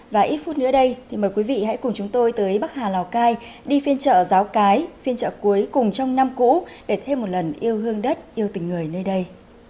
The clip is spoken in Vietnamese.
và ít phút nữa đây thì mời quý vị hãy cùng chúng tôi tới bắc hà lào cai đi phiên chợ giáo cái phiên chợ cuối cùng trong năm cũ để thêm một lần yêu hương đất yêu tình người nơi đây